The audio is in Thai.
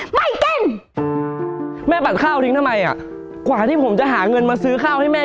ไม่กินแม่ปัดข้าวทิ้งทำไมอ่ะกว่าที่ผมจะหาเงินมาซื้อข้าวให้แม่